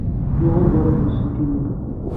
Liɣ ugur akked uselkim-inu.